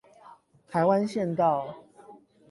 台灣縣道